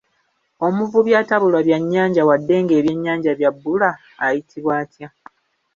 Omuvubi atabulwa byannyanja wadde ng'ebyennyanja bya bbula ayitibwa atya?